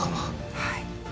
はい。